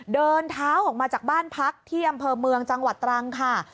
เดินเท้าออกมาจากบ้านพักที่อำเภอเมืองจังหวัดตรังค่ะ